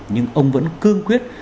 nhưng ông vẫn cương quyết